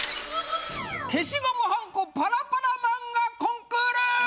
消しゴムはんこパラパラ漫画コンクール！